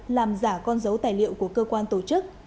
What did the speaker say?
làm giả con dấu tài liệu của cơ quan tổ chức